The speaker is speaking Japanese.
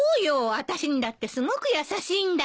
あたしにだってすごく優しいんだから。